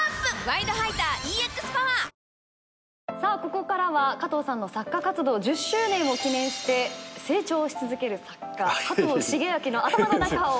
ここからは加藤さんの作家活動１０周年を記念して成長をし続ける作家加藤シゲアキの頭の中を。